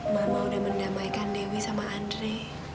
mama udah mendamaikan dewi sama andre